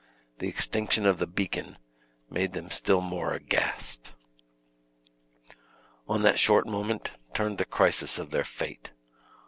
The extinction of the beacon made them still more aghast. On that short moment turned the crisis of their fate.